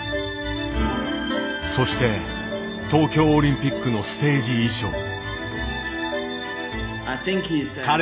そして東京オリンピックのステージ衣装。